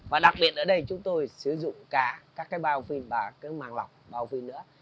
và đặc biệt ở đây chúng tôi sử dụng cả các cái bao phe và cái màng lọc bao vi nữa